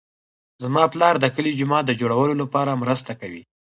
زما پلار د کلي د جومات د جوړولو لپاره مرسته کوي